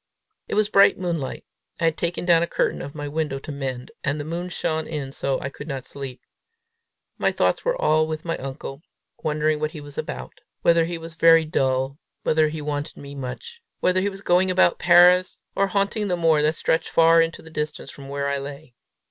It was bright moonlight. I had taken down a curtain of my window to mend, and the moon shone in so that I could not sleep. My thoughts were all with my uncle wondering what he was about; whether he was very dull; whether he wanted me much; whether he was going about Paris, or haunting the moor that stretched far into the distance from where I lay.